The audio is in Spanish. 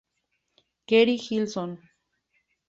Keri Hilson.